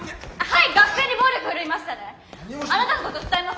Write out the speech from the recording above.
はい学生に暴力振るいましたね？